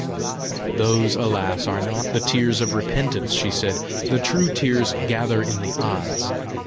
"Those, alas, are not the tears of repentance!" she said. "The true tears gather in the eyes.